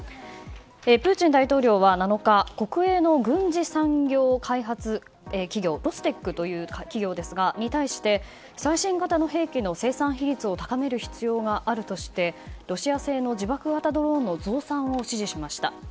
プーチン大統領は７日国営の軍事産業開発企業ロステックという企業に対して最新型の兵器の生産比率を高める必要があるとしてロシア製の自爆型ドローンの増産を指示しました。